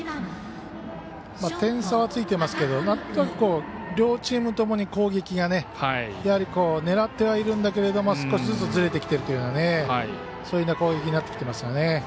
点差はついていますけどなんとなく、両チームともに攻撃がやはり狙ってはいるんだけれども少しずつずれてきているというそういう攻撃になってきています。